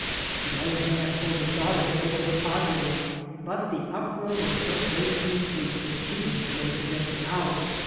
The old man told his daughter to go for the padre, but the uproar was so great in the street that she was afraid to venture out.